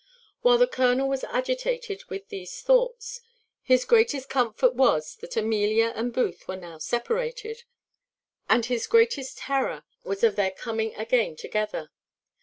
While the colonel was agitated with these thoughts, his greatest comfort was, that Amelia and Booth were now separated; and his greatest terror was of their coming again together.